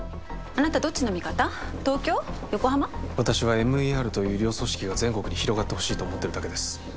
私はＭＥＲという医療組織が全国に広がってほしいと思ってるだけです